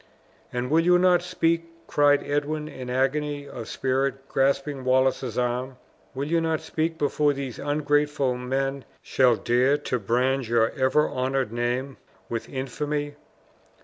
"And will you not speak?" cried Edwin in agony of spirit grasping Wallace's arm; "will you not speak before these ungrateful men shall dare to brand your ever honored name with infamy!